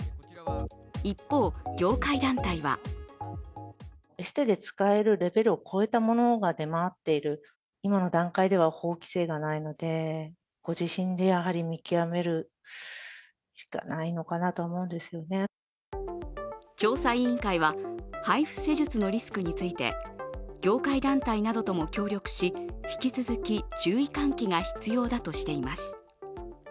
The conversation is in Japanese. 一方、業界団体は調査委員会は、ＨＩＦＵ施術のリスクについて業界団体などとも協力し、引き続き注意喚起が必要だとしています。